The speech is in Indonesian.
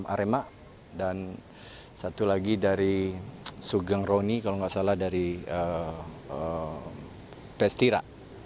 arema dan satu lagi dari sugeng roni kalau nggak salah dari pestira